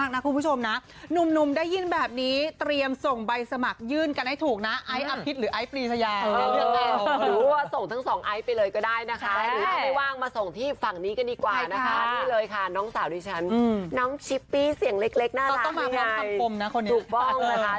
น้องชิปปี้เสียงเล็กเล็กน่ารักนี่ไงต้องมาพร้อมคำคมนะคนเนี้ยถูกบ้องนะคะ